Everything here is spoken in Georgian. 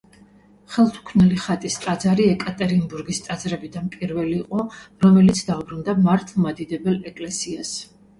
ხელთუქმნელი ხატის ტაძარი ეკატერინბურგის ტაძრებიდან პირველი იყო, რომელიც დაუბრუნდა მართლმადიდებელ ეკლესიას.